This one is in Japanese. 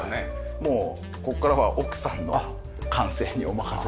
もうここからは奥さんの感性にお任せして。